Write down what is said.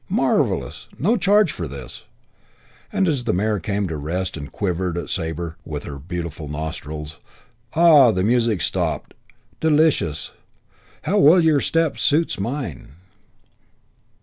Marvellous. No charge for this." And as the mare came to rest and quivered at Sabre with her beautiful nostrils, "Ah, the music's stopped. Delicious. How well your step suits mine!"